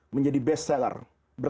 menjadi best seller